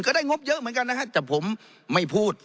ได้งบเยอะเหมือนกันนะฮะแต่ผมไม่พูด